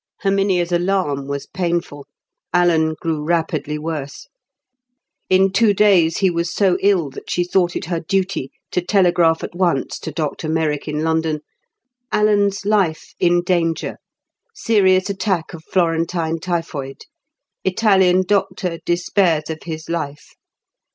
Herminia's alarm was painful. Alan grew rapidly worse. In two days he was so ill that she thought it her duty to telegraph at once to Dr Merrick, in London: "Alan's life in danger. Serious attack of Florentine typhoid. Italian doctor despairs of his life.